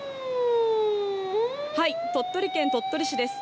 鳥取県鳥取市です。